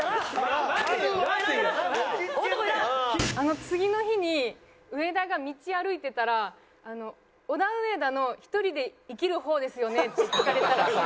あの次の日に植田が道歩いてたら「オダウエダの１人で生きる方ですよね？」って聞かれたらしいです。